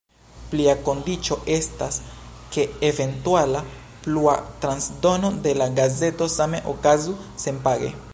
Plia kondiĉo estas, ke eventuala plua transdono de la gazeto same okazu senpage.